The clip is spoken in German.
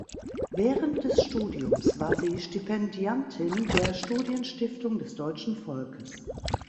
Während des Studiums war sie Stipendiatin der Studienstiftung des Deutschen Volkes.